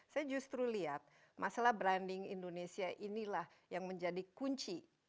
saya justru lihat masalah branding indonesia inilah yang menjadi kunci